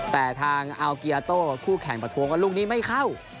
แต่ทางอัลเกียโต้คู่แข่งประท้วงว่าลูกนี้ไม่เข้า